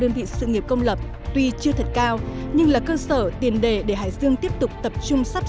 đơn vị sự nghiệp công lập tuy chưa thật cao nhưng là cơ sở tiền đề để hải dương tiếp tục tập trung sắp